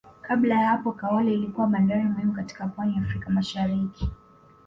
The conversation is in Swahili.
Kabla ya hapo Kaole ilikuwa bandari muhimu katika pwani ya Afrika Mashariki